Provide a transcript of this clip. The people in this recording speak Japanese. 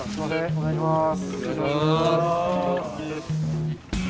お願いします。